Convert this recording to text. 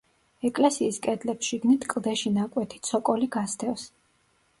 ეკლესიის კედლებს შიგნით კლდეში ნაკვეთი ცოკოლი გასდევს.